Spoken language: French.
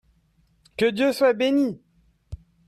Que Dieu soit bénit !